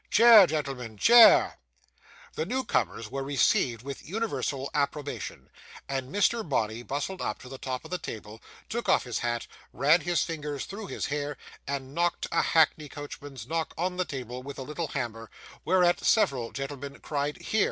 'Chair, gentlemen, chair!' The new comers were received with universal approbation, and Mr. Bonney bustled up to the top of the table, took off his hat, ran his fingers through his hair, and knocked a hackney coachman's knock on the table with a little hammer: whereat several gentlemen cried 'Hear!